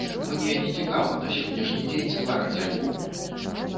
Мне не цікава на сённяшні дзень ствараць альбом.